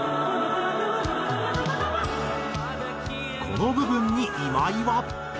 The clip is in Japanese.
この部分に今井は。